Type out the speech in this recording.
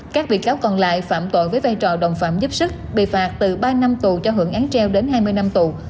các bị cáo còn lại phạm tội với vai trò đồng phạm giúp sức bị phạt từ ba năm tù cho hưởng án treo đến hai mươi năm tù